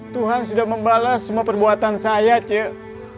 tuhan sudah membalas semua perbuatan saya cek